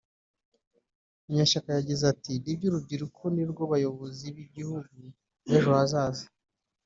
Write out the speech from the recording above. Munyeshyaka yagize ati “Nibyo urubyiruko nirwo bayobozi b’igihugu b’ejo hazaza